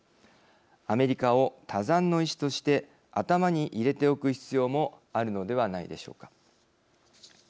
アメリカを他山の石として頭に入れておく必要もあるのではないでしょうか。